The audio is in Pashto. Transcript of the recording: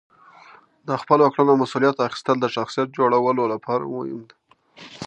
د خپلو کړنو مسئولیت اخیستل د شخصیت جوړولو لپاره مهم دي.